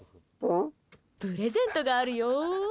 プレゼントがあるよ！